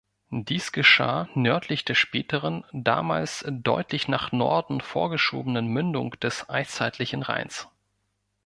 Dies geschah nördlich der späteren, damals deutlich nach Norden vorgeschobenen Mündung des eiszeitlichen Rheins.